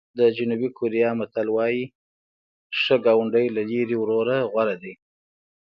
د جنوبي کوریا متل وایي ښه ګاونډی له لرې ورور غوره دی.